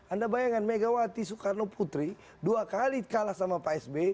anda bayangkan megawati soekarno putri dua kali kalah sama pak sby